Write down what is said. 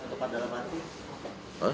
tepat dalam hati